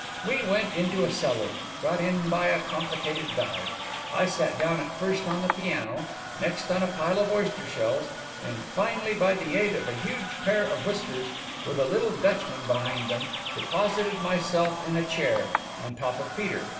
"We went into a cellar; got in by a complicated dive. I sat down at first on the piano, next on a pile of oyster shells, and, finally, by the aid of a huge pair of whiskers, with a little Dutchman behind them, deposited myself in a chair on top of Peter.